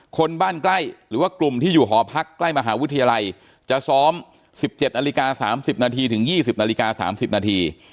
คนบ้านใกล้หรือว่ากลุ่มที่อยู่หอพักใกล้มหาวิทยาลัยจะซ้อม๑๗นาฬิกา๓๐นาทีถึง๒๐นาฬิกา๓๐นาที